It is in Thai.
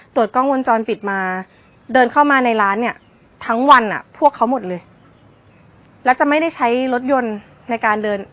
กล้องวงจรปิดมาเดินเข้ามาในร้านเนี่ยทั้งวันอ่ะพวกเขาหมดเลยแล้วจะไม่ได้ใช้รถยนต์ในการเดิน